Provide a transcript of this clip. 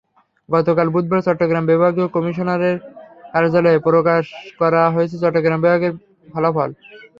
গতকাল বুধবার চট্টগ্রাম বিভাগীয় কমিশনারের কার্যালয়ে প্রকাশ করা হয়েছে চট্টগ্রাম বিভাগের ফলাফল।